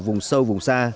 ở vùng sâu vùng xa